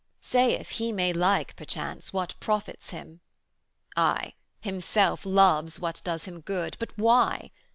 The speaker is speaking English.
'Saith, He may like, perchance, what profits Him. Aye, himself loves what does him good; but why?